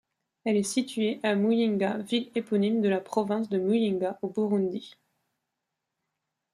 Elle est située à Muyinga, ville éponyme de la province de Muyinga, au Burundi.